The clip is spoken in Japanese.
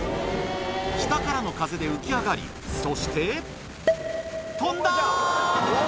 下からの風で浮き上がり、そして、飛んだ！